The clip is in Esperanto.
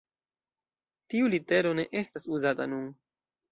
Tiu litero ne estas uzata nun.